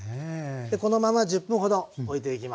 このまま１０分ほどおいていきます。